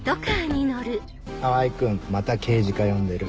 川合君また刑事課呼んでる。